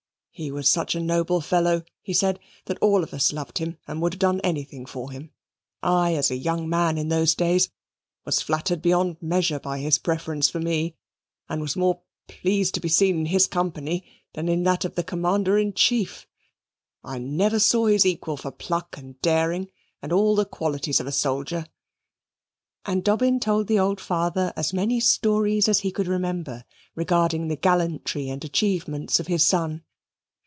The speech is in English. "He was such a noble fellow," he said, "that all of us loved him, and would have done anything for him. I, as a young man in those days, was flattered beyond measure by his preference for me, and was more pleased to be seen in his company than in that of the Commander in Chief. I never saw his equal for pluck and daring and all the qualities of a soldier"; and Dobbin told the old father as many stories as he could remember regarding the gallantry and achievements of his son.